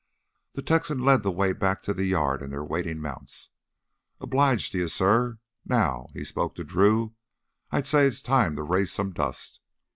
The Texan led the way back to the yard and their waiting mounts. "Obliged to you, suh. Now," he spoke to Drew, "I'd say it's time to raise some dust.